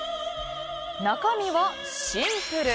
中身はシンプル。